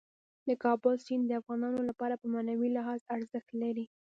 د کابل سیند د افغانانو لپاره په معنوي لحاظ ارزښت لري.